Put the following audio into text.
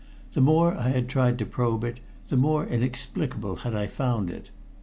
The more I had tried to probe it, the more inexplicable had I found it.